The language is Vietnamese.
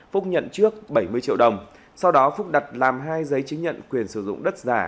phúc nhận trước bảy mươi triệu đồng sau đó phúc đặt làm hai giấy chứng nhận quyền sử dụng đất giả